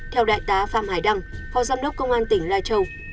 theo đại tá phạm hải đăng phó giám đốc công an tỉnh lai châu